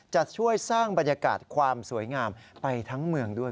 จะช่วยสร้างบรรยากาศความสวยงามไปทั้งเมืองด้วย